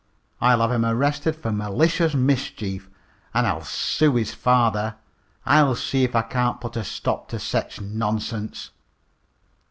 I'll have him arrested fer malicious mischief, an' I'll sue his father. I'll see if I can't put a stop to sech nonsense."